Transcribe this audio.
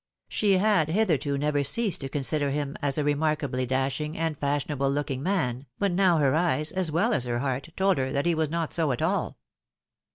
She had hitherto never ceased to consider him as a remarkably dashing and fashionable looking man, but now her eyes, as well as her heart, told her that he was not so at all.